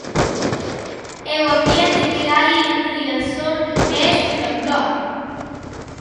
E o ambiente que hai en Riazor é espectacular.